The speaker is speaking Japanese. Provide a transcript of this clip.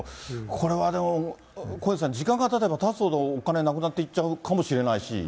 これはでも、小西さん、時間がたてばたつほどお金なくなっていっちゃうかもしれないし。